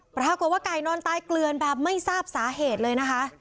ปรากฏว่าไก่นอนตายเกลือนแบบไม่ทราบสาเหตุเลยนะคะ